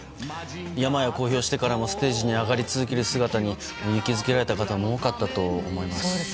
病を公表してからもステージに上がり続ける姿に勇気づけられた方も多かったと思います。